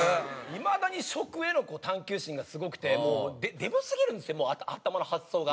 いまだに食への探究心がすごくてもうデブすぎるんですよ頭の発想が。